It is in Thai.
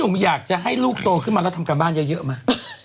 ก็หนุ่มอยากจะให้ลูกโตขึ้นมาแล้วทำการบ้านเยอะมา